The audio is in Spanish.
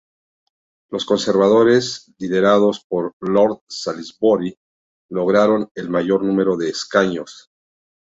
Los conservadores, liderados por Lord Salisbury, lograron el mayor número de escaños.